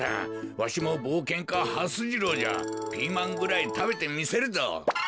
わしもぼうけんかはす次郎じゃピーマンぐらいたべてみせるぞ。